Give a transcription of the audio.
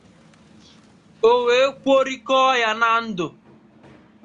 o wee kwọrikọọ ya na ndụ.